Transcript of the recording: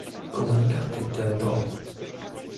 Komunikaty te to